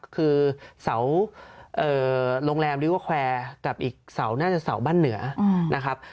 คือเสาโรงแรมลิเวอร์แควร์กับอีกเสาน่าจะเสาบ้านเหนือนะครับ